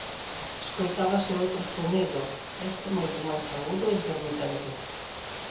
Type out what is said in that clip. Escoitábase outro zunido, este moito máis agudo e intermitente.